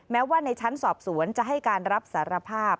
แม้ว่าในชั้นสอบสวนจะให้การรับสารภาพ